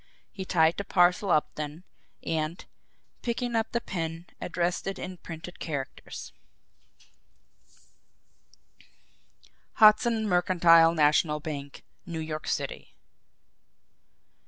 He tied the parcel up then, and, picking up the pen, addressed it in printed characters: HUDSON MERCANTILE NATIONAL BANK, NEW YORK CITY.